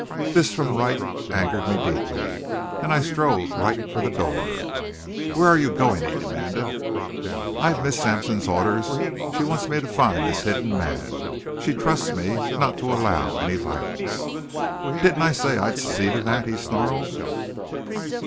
This from Wright angered me deeply, and I strode right for the door. "Where are you going?" he demanded. "I've Miss Sampson's orders. She wants me to find this hidden man. She trusts me not to allow any violence." "Didn't I say I'd see to that?" he snarled.